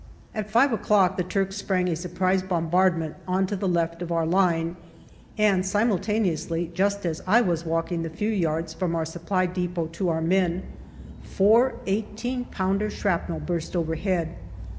At five o'clock the Turks sprang a surprise bombard ment on to the left of our line, and simultaneously, just as I was walking the few yards from our Supply depot to our men, four i8 pounder shrapnel burst overhead.